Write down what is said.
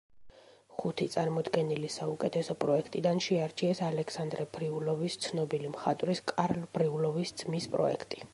ხუთი წარმოდგენილი საუკეთესო პროექტიდან შეარჩიეს ალექსანდრე ბრიულოვის, ცნობილი მხატვრის კარლ ბრიულოვის ძმის, პროექტი.